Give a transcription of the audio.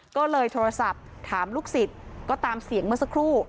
ก็เลยโทรศัพท์ถามลูกศิษย์ก็ตามเสียงเมื่อสักครู่